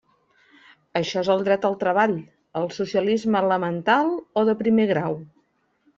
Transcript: Això és el dret al treball, el socialisme elemental o de primer grau.